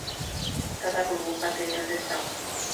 Cada burbuja tenía un desagüe.